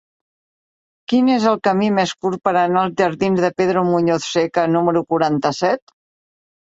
Quin és el camí més curt per anar als jardins de Pedro Muñoz Seca número quaranta-set?